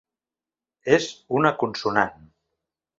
És una consonant.